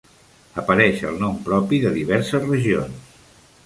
Apareix al nom propi de diverses regions.